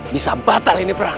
bisa batal ini perang